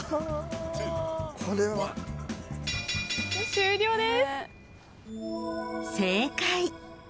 終了です。